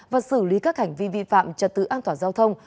và xử lý các hành vi vi phạm trật tự an toàn giao thông